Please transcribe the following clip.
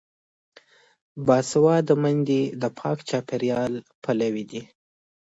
باسواده میندې د پاک چاپیریال پلوي دي.